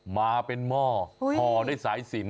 มาเป็นหม้อพอได้สายสิน